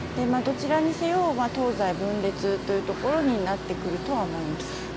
どちらにせよ東西分裂というところになってくるとは思います。